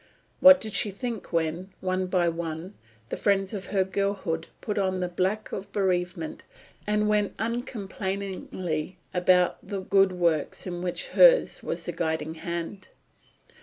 What did she think when, one by one, the friends of her girlhood put on the black of bereavement and went uncomplainingly about the good works in which hers was the guiding hand?